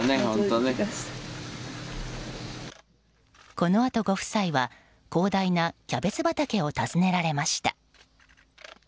このあと、ご夫妻は広大なキャベツ畑を訪ねられました。